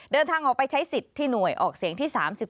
เดินทางออกไปใช้สิทธิ์ที่หน่วยออกเสียงที่๓๔